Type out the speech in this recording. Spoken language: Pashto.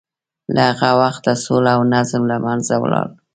له هغه وخته سوله او نظم له منځه ولاړ.